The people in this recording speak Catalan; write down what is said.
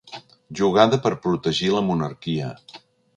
Jugada per protegir la monarquia.